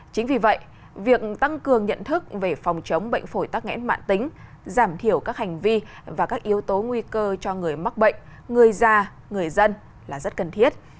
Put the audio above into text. chính vì vậy việc tăng cường nhận thức về phòng chống bệnh phổi tắc nghẽn mạng tính giảm thiểu các hành vi và các yếu tố nguy cơ cho người mắc bệnh người già người dân là rất cần thiết